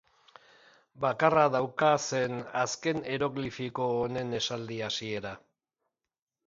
Bakarra dauka zen azken eroglifiko honen esaldi hasiera.